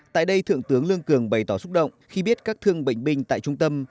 tại đây thượng tướng lương cường bày tỏ xúc động khi biết các thương bệnh binh tại trung tâm